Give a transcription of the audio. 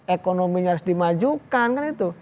ekonominya harus dimajukan kan itu